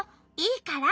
いいから！